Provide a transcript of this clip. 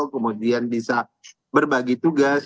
kemudian bisa berbagi tugas